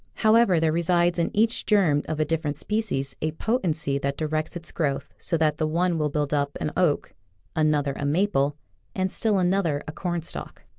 However, there resides in each germ of a different species a potency that directs its growth so that the one will build up an oak, another a maple, and still another a cornstalk.